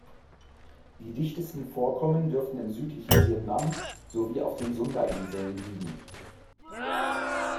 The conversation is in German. Die dichtesten Vorkommen dürften im südlichen Vietnam sowie auf den Sundainseln liegen.